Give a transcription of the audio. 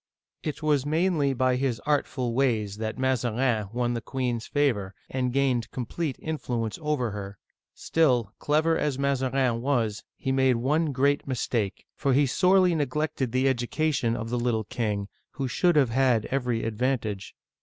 It was mainly by his artful ways that Mazarin won the queen's favor, and gained complete influence over her. Still, clever as Mazarin was, he made one great mistake, for he sorely neglected the education of the little king, who Digitized by VjOOQIC LOUIS XIV. (1643 1715) 317 should have had every advantage.